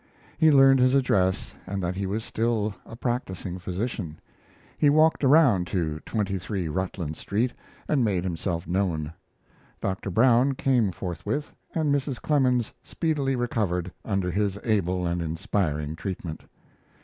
He learned his address, and that he was still a practising physician. He walked around to 23 Rutland Street, and made himself known. Dr. Brown came forthwith, and Mrs. Clemens speedily recovered under his able and inspiring treatment.